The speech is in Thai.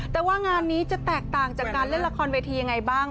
แต่ว่างานนี้จะแตกต่างจากการเล่นละครเวทียังไงบ้าง